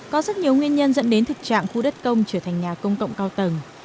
có rất nhiều nguyên nhân dẫn đến thực trạng khu đất công trở thành nhà công cộng cao tầng